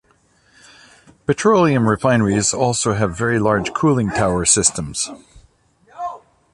Petroleum refineries also have very large cooling tower systems.